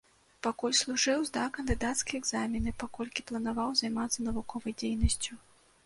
Пакуль служыў, здаў кандыдацкія экзамены, паколькі планаваў займацца навуковай дзейнасцю.